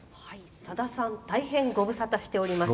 「さださん大変ご無沙汰しております。